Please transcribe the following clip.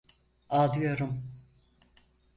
Ağlıyorum.